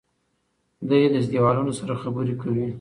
دی له دیوالونو سره خبرې کوي.